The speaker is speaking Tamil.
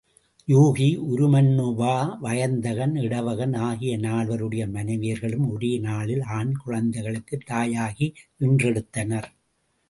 யூகி, உருமண்ணுவா, வயந்தகன், இடவகன் ஆகிய நால்வருடைய மனைவியர்களும் ஒரே நாளில் ஆண் குழந்தைகளுக்குத் தாயாகி ஈன்றெடுத்தனர்.